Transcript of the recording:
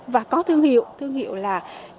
và có thương hiệu thương hiệu là